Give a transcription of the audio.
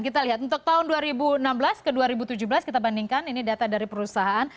kita lihat untuk tahun dua ribu enam belas ke dua ribu tujuh belas kita bandingkan ini data dari perusahaan